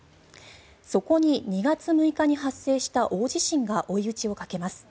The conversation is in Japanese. そこに２月６日に発生した大地震が追い打ちをかけます。